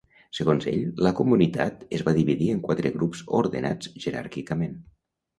Segons ell, la comunitat es va dividir en quatre grups ordenats jeràrquicament.